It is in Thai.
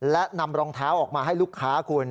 และนำรองเท้าออกมาให้ลูกค้าคุณ